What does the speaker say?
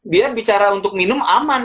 dia bicara untuk minum aman